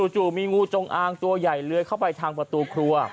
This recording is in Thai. มีงูจงอางตัวใหญ่เลื้อยเข้าไปทางประตูครัว